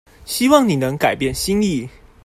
希望你能改變心意